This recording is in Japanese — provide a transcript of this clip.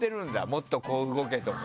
もっとこう動けとか。